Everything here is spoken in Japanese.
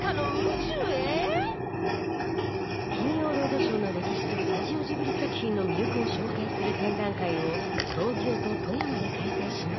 『金曜ロードショー』の歴史とスタジオジブリ作品の魅力を紹介する展覧会を東京と富山で開催します